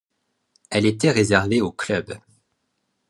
Elle était réservée aux clubs.